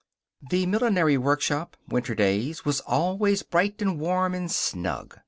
The millinery workroom, winter days, was always bright and warm and snug.